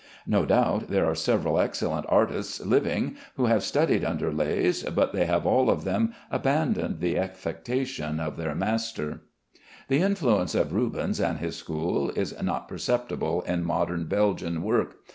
No doubt there are several excellent artists living who have studied under Leys, but they have all of them abandoned the affectation of their master. The influence of Rubens and his school is not perceptible in modern Belgian work.